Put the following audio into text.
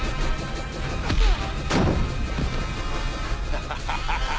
ハハハハ。